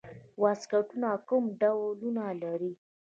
واسکټونه کوم ډولونه لري؟